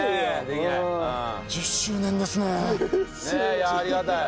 いやありがたい。